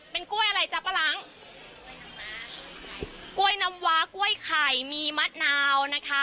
เป็นกล้วยอะไรจ๊ะปะหลังม้ากล้วยน้ำว้ากล้วยไข่มีมะนาวนะคะ